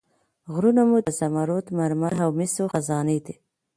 غرونه مو د زمرد، مرمر او مسو خزانې دي.